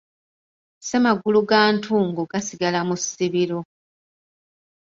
Ssemagulu ga ntungo gasigala mu ssibiro.